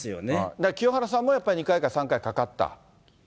だから清原さんもやっぱり２回か３回、かかった？